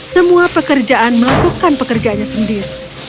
semua pekerjaan melakukan pekerjaannya sendiri